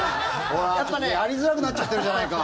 やりづらくなっちゃってるじゃないか！